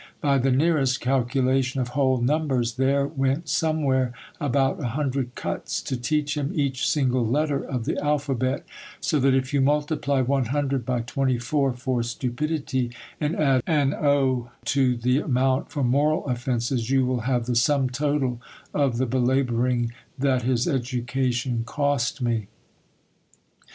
By the nearest calculation of whole numbers, there went somewhere about a hundred cuts to teach him each single letter of the alphabet ; so that if you multiply 100 by 24 for stupidity, and add an o to the amount for moral offences, you will have the sum total of the belabouring that his education cost me.